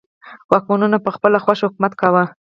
واکمنو په خپله خوښه حکومت کاوه.